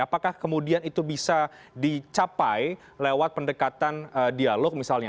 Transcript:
apakah kemudian itu bisa dicapai lewat pendekatan dialog misalnya